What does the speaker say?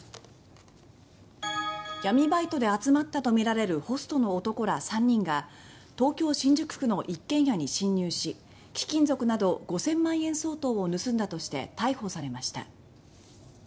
闇バイトで集まったとみられるホストの男ら３人が東京・新宿区の一軒家に侵入し貴金属など５０００万円相当を盗んだとして逮捕されました。